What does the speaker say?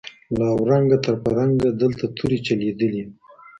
له اورنګه تر فرنګه دلته توري چلېدلي